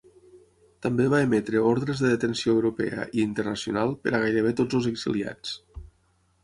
També va emetre ordres de detenció europea i internacional per a gairebé tots els exiliats.